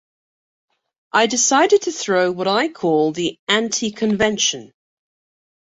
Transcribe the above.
I decided to throw what I call the 'anti-convention.